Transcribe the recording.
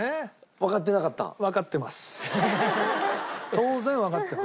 当然わかってます。